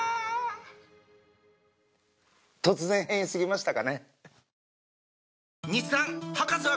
突然変異過ぎましたかね？